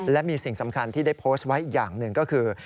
และมีสิ่งสำคัญที่ได้โพสต์ไว้อีกอย่างหนึ่งก็คือ